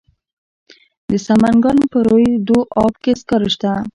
د سمنګان په روی دو اب کې سکاره شته.